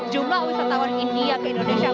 jumlah wisatawan india ke indonesia